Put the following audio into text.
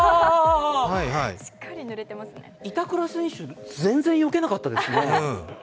板倉選手、全然よけなかったですね。